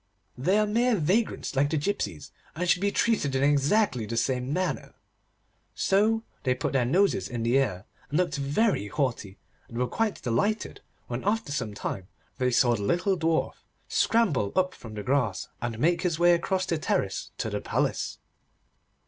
They are mere vagrants like the gipsies, and should be treated in exactly the same manner.' So they put their noses in the air, and looked very haughty, and were quite delighted when after some time they saw the little Dwarf scramble up from the grass, and make his way across the terrace to the palace.